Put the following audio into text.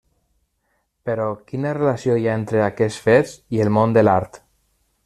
Però, quina relació hi ha entre aquests fets i el món de l'art?